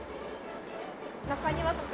中庭とか。